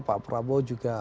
pak prabowo juga